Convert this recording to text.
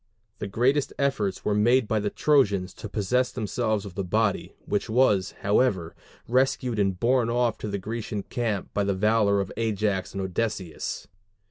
The greatest efforts were made by the Trojans to possess themselves of the body, which was, however, rescued and borne off to the Grecian camp by the valor of Ajax and Odysseus.